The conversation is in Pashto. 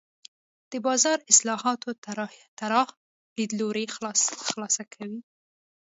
د بازار اصلاحاتو طراح لیدلوری خلاصه کوي.